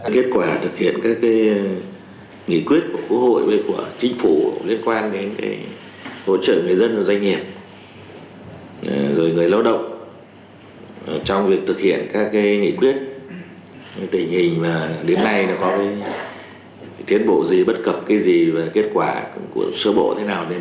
kết quả thực hiện các nghị quyết của quốc hội và của chính phủ liên quan đến hỗ trợ người dân và doanh nghiệp rồi người lao động trong việc thực hiện các nghị quyết tình hình và đến nay có cái tiến bộ gì bất cập cái gì và kết quả của sơ bộ thế nào